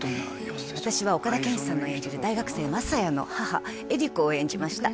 私は岡田健史さんの演じる大学生雅也の母衿子を演じました